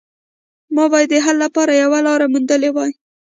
ما باید د حل لپاره یوه لاره موندلې وای